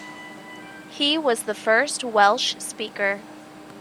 He was the first Welsh Speaker.